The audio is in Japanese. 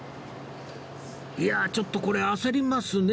いやーちょっとこれ焦りますね